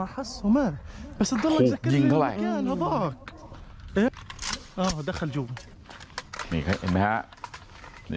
โฮยิงเข้าไป